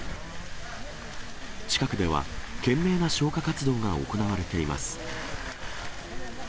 近くでは、懸命な消火活動が行われています。